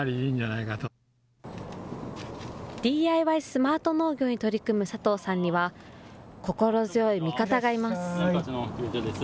ＤＩＹスマート農業に取り組む佐藤さんには、心強い味方がいます。